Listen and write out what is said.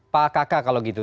pak kaka kalau gitu